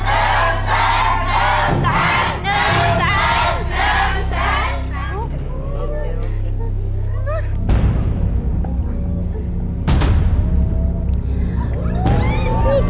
อะไรนะลูกนนท์